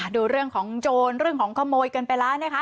ดูเรื่องของโจรเรื่องของขโมยกันไปแล้วนะคะ